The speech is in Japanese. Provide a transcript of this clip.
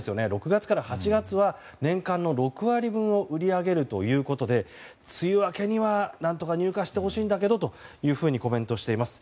６月から８月は年間の６割分を売り上げるということで梅雨明けには何とか入荷してほしいんだけどとコメントしています。